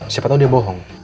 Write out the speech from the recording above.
siapa tau dia bohong